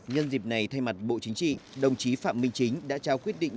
nhân dịp này thay mặt bộ chính trị đồng chí phạm minh chính đã trao quyết định